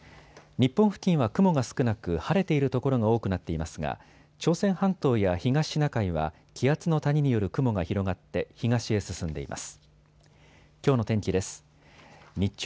日本付近は雲が少なく晴れている所が多くなっていますが朝鮮半島や東シナ海は気圧の谷による雲が広がって東へ進んでいます。